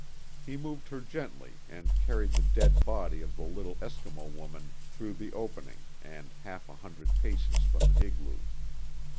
He moved her gently and carried the dead body of the little Eskimo woman through the opening and half a hundred paces from the igloo.